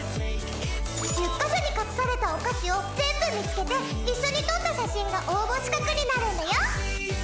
１０カ所に隠されたお菓子を全部見つけて一緒に撮った写真が応募資格になるんだよ。